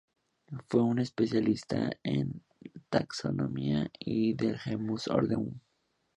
Fue un especialista en la taxonomía del genus "Hordeum".